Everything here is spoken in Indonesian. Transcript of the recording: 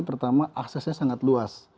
pertama aksesnya sangat luas